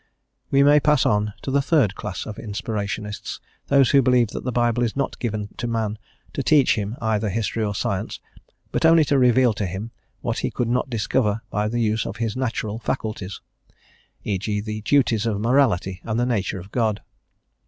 We may pass on to the third class of inspirationists, those who believe that the Bible is not given to man to teach him either history or science, but only to reveal to him what he could not discover by the use of his natural faculties e g. the duties of morality and the nature of God.